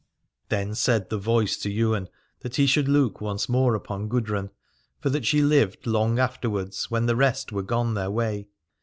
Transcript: Then said the voice to Ywain that he should look once more upon Gudrun, for that she lived long afterwards when the rest were gone their way.